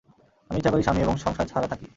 আমি ইচ্ছা করেই স্বামী এবং সংসার চাঁড়া থাকি।